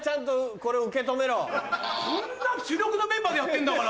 こんな主力のメンバーでやってんだから！